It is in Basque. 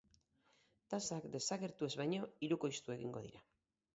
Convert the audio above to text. Tasak desagertu ez baino hirukoiztu egingo dira.